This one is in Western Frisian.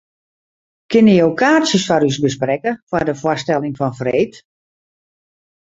Kinne jo kaartsjes foar ús besprekke foar de foarstelling fan freed?